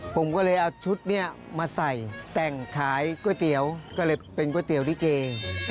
ผมก็เลยเอาชุดนี้มาใส่แต่งขายก๋วยเตี๋ยวก็เลยเป็นก๋วยเตี๋ยวลิเก